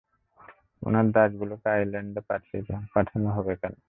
উনার দাসগুলোকে আইসল্যান্ডে পাঠানো হবে কেন?